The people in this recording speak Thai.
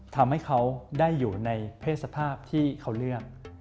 ทำให้เขาได้อยู่ในเพศสภาพที่เขาเลือก